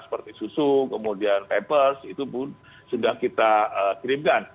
seperti susu kemudian papers itu pun sudah kita kirimkan